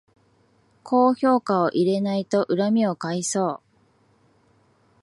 高評価を入れないと恨みを買いそう